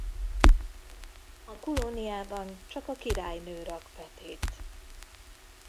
A kolóniában csak a királynő rak petét.